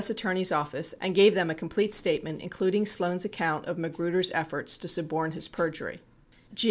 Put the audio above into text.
Attorney's Office and gave them a complete statement, including Sloan's account of Magruder's effort to suborn his perjury